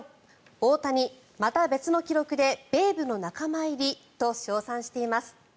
大谷、また別の記録でベイブの仲間入りと称賛しています。